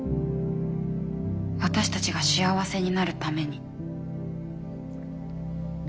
私たちが幸せになるために。